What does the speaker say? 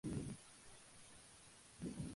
Tiene cubrición a cuatro aguas.